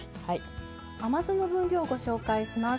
甘酢の分量ご紹介します。